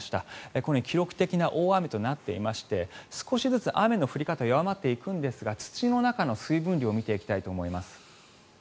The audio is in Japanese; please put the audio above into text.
このように記録的な大雨となっていまして少しずつ雨の降り方は弱まっていくんですが土の中の水分量を見ていきたいと思います。